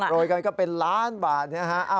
กันก็เป็นล้านบาทนะฮะ